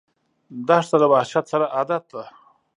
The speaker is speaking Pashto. دښته د وحشت سره عادت ده.